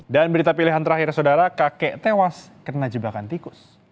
dan berita pilihan terakhir saudara kakek tewas kena jebakan tikus